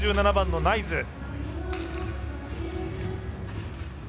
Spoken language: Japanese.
６３番のナイズ。